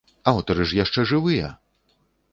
Аўтары ж яшчэ жывыя!